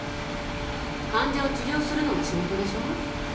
患者を治療するのが仕事でしょ